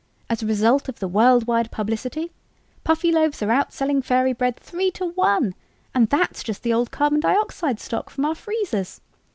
"As a result of the worldwide publicity, Puffyloaves are outselling Fairy Bread three to one and that's just the old carbon dioxide stock from our freezers!